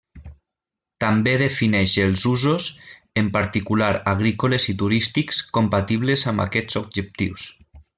També defineix els usos, en particular agrícoles i turístics compatibles amb aquests objectius.